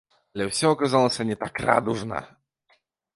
Але ўсё аказалася не так радужна.